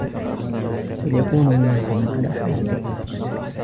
بَلْ يَكُونَ مِنْهُمْ عَلَى حَذَرٍ